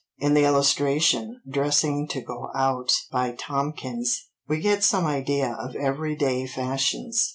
In the illustration "Dressing to go Out," by Tomkins, we get some idea of everyday fashions.